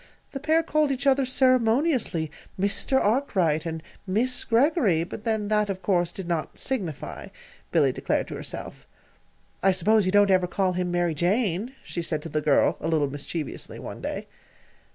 The pair called each other, ceremoniously, "Mr. Arkwright," and "Miss Greggory" but then, that, of course, did not "signify," Billy declared to herself. "I suppose you don't ever call him 'Mary Jane,'" she said to the girl, a little mischievously, one day.